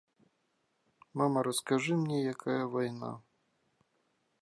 Мама, раскажы мне, якая вайна.